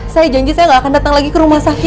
saya janji saya nggak akan datang lagi ke rumah sakit